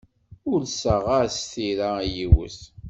Ulseɣ-as tira i yiwet.